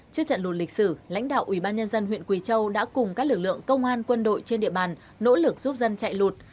trước trận lụt lịch sử lãnh đạo ubnd huyện quỳ châu đã cùng các lực lượng công an quân đội trên địa bàn nỗ lực giúp dân chạy lụt